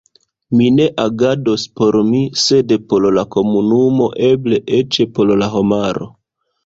Mi ne agados por mi, sed por la komunumo, eble eĉ por la homaro.